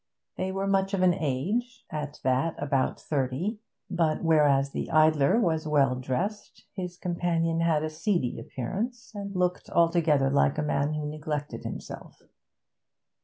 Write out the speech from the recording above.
They were much of an age, and that about thirty, but whereas the idler was well dressed, his companion had a seedy appearance and looked altogether like a man who neglected himself.